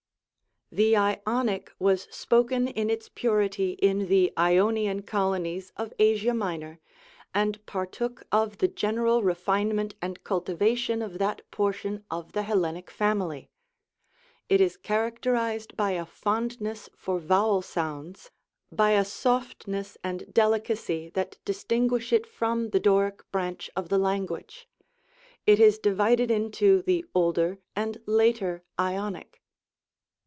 The Ionic was spoken in its purity in the Ionian colonies of Asia Minor, and partook of the general re finement and cultivation of that portion of the Helle nic family. It is characterized by a fondness for vowel sounds, by a softness and deHcacy that distinguish it from the Doric branch of the language. It is divided into the Older and Later Ionic.